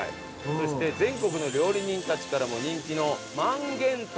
そして全国の料理人たちからも人気の萬幻豚。